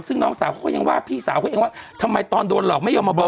ซึ่งน้องสาวเขาก็ยังว่าพี่สาวเขาเองว่าทำไมตอนโดนหลอกไม่ยอมมาบอก